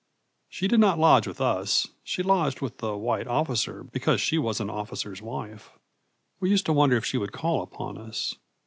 She did not lodge with us; she lodged with the white officer because she was an officer's wife. We used to wonder if she would call upon us.